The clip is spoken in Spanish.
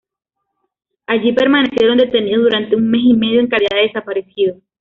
Allí permanecieron detenidos durante un mes y medio en calidad de desaparecidos.